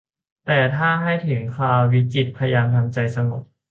แต่หากถึงคราววิกฤตพยายามทำใจสงบ